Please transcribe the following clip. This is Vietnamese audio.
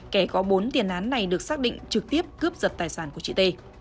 kẻ có bốn tiền án này được xác định trực tiếp cướp giật tài sản của chị t